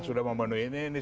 sudah memenuhi ini